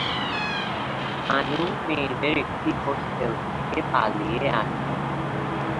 আনু মেয়েদের একটি হোস্টেল থেকে পালিয়ে আসে।